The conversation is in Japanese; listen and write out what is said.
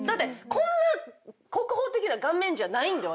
こんな国宝的な顔面じゃないんで私たち。